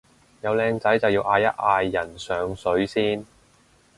有靚仔就要嗌一嗌人上水先